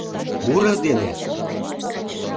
Муро дене?